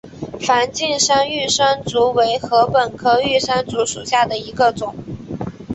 梵净山玉山竹为禾本科玉山竹属下的一个种。